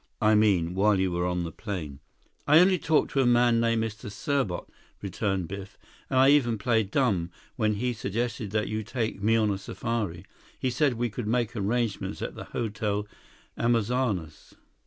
"I mean, while you were on the plane?" "I only talked to a man named Mr. Serbot," returned Biff, "and I even played dumb when he suggested that you take me on a safari. He said we could make arrangements at the Hotel Amazonas."